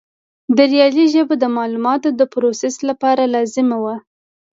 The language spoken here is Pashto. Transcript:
د ریاضي ژبه د معلوماتو د پروسس لپاره لازمه وه.